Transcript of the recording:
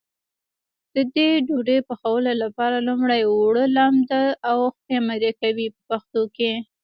د دې ډوډۍ پخولو لپاره لومړی اوړه لمد او خمېره کوي په پښتو کې.